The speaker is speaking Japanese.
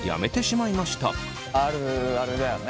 あるあるだよね。